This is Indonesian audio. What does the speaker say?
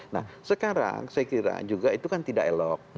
nah sekarang saya kira juga itu kan tidak elok